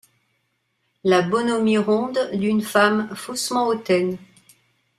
La bonhomie ronde d’une femme faussement hautaine.